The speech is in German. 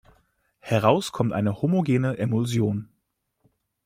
Heraus kommt eine homogene Emulsion.